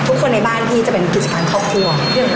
คนในบ้านพี่จะเป็นกิจการครอบครัว